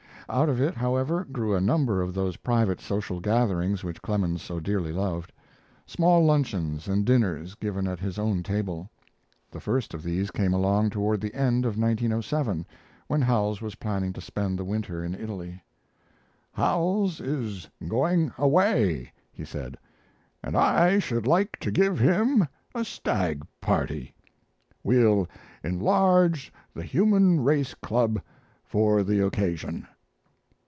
Out of it, however, grew a number of those private social gatherings which Clemens so dearly loved small luncheons and dinners given at his own table. The first of these came along toward the end of 1907, when Howells was planning to spend the winter in Italy. "Howells is going away," he said, "and I should like to give him a stag party. We'll enlarge the Human Race Club for the occasion."